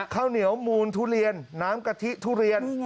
ข้าวเหนียวมูลทุเรียนน้ำกะทิทุเรียน